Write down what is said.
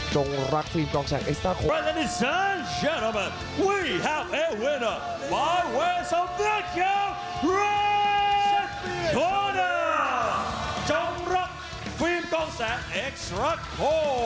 จำรักฟิล์มต้องแสดเอ็กซ์รักโฮ